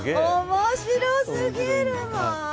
面白すぎるもう。